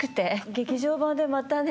劇場版でまたね